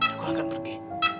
aku akan pergi